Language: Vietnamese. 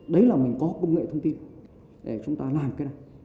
đấy là mình có công nghệ thông tin để chúng ta làm cái này